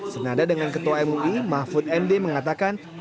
senada dengan ketua mui mahfud md mengatakan